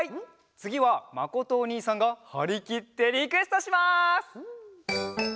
つぎはまことおにいさんがはりきってリクエストします！